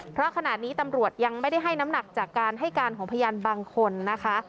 เพราะขณะนี้ตำรวจยังไม่ได้ให้น้ำหนักจากการให้การของพยานบางคนนะคะ